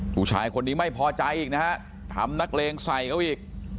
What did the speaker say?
ผู้ชายคนนี้ไม่พอใจอีกนะฮะทำนักเลงใส่เขาอีก